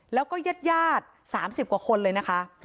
แล้วก็ญาติ๓๐กว่าคนเลยนะคะ